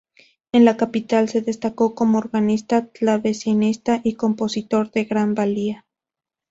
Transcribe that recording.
En la capital se destacó como organista, clavecinista y compositor de gran valía.